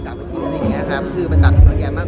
อย่างที่เห็น้ระหว่างเวทีเราจัดต่าง